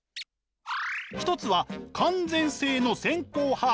一つは完全性の先行把握。